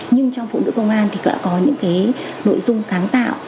nhưng trong phụ nữ công an thì có những nội dung sáng tạo